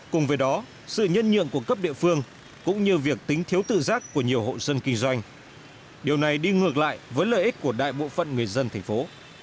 cùng với đó sự nhân nhượng của cấp địa phương cũng như việc tính thiếu tự giác của nhiều hộ dân kinh doanh điều này đi ngược lại với lợi ích của đại bộ phận người dân thành phố